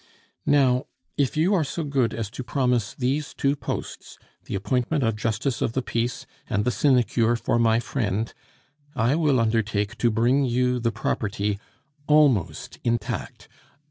"Now, if you are so good as to promise these two posts the appointment of justice of the peace and the sinecure for my friend I will undertake to bring you the property, almost intact.